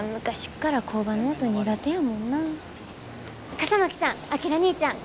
笠巻さん章にいちゃん。